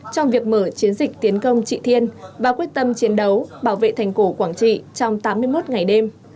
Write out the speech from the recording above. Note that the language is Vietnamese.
trong việc mở chiến dịch tiến công trị thiên và quyết tâm chiến đấu bảo vệ thành cổ quảng trị trong tám mươi một ngày đêm